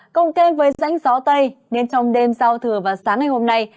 công kê với rãnh gió tây nên trong đêm giao thừa và sáng ngày hôm nay